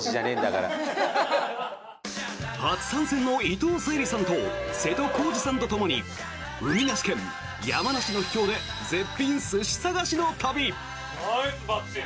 初参戦の伊藤沙莉さんと瀬戸康史さんとともに海なし県山梨の秘境で絶品寿司探しの旅！